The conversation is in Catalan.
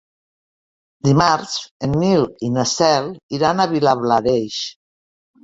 Dimarts en Nil i na Cel iran a Vilablareix.